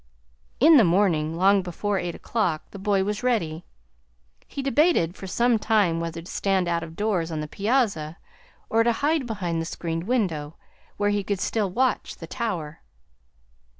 "In the morning, long before eight o'clock, the boy was ready. He debated for some time whether to stand out of doors on the piazza, or to hide behind the screened window, where he could still watch the tower.